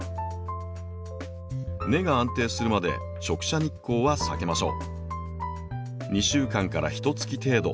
根が安定するまで直射日光は避けましょう。